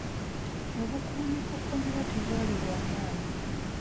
Obukuumi ku komera tebwali bw'amaanyi.